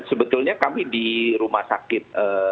sebetulnya kami di rumah sakit